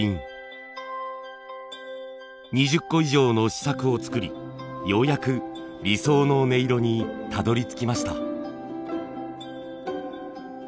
２０個以上の試作を作りようやく理想の音色にたどり着きました。